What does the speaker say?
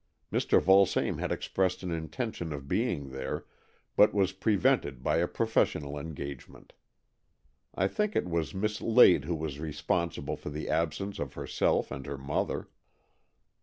Mr. Vulsame had expressed an intention of being there, but was prevented by a professional engagement. I think it was Miss Lade who was responsible for the absence of herself and her mother.